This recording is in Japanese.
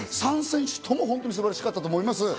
３選手とも素晴らしかったと思います。